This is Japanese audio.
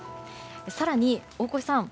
更に、大越さん